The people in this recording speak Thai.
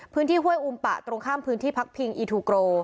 ห้วยอุมปะตรงข้ามพื้นที่พักพิงอีทูโกร